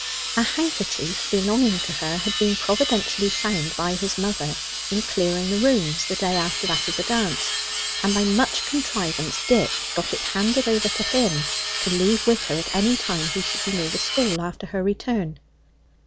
A handkerchief belonging to her had been providentially found by his mother in clearing the rooms the day after that of the dance; and by much contrivance Dick got it handed over to him, to leave with her at any time he should be near the school after her return.